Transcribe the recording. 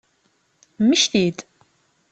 Mmekti-d!